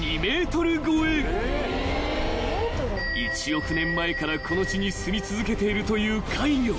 ［１億年前からこの地にすみ続けているという怪魚］